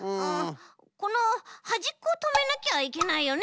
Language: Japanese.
このはじっこをとめなきゃいけないよね。